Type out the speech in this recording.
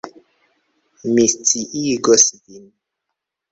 Mi sciigos vin.